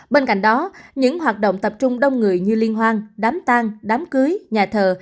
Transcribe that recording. bên cạnh đó những hoạt động tập trung đông người như liên hoan đám tang đám cưới nhà thờ